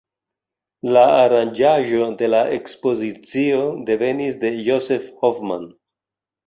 La aranĝaĵo de la ekspozicio devenis de Josef Hoffmann.